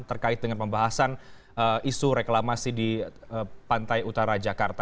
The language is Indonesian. terkait dengan pembahasan isu reklamasi di pantai utara jakarta